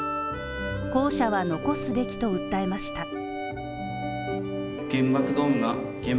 校舎は残すべきと訴えました。